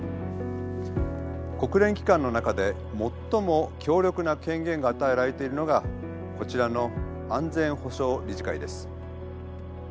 国連機関の中で最も強力な権限が与えられているのがこちらの安全保障理事会です。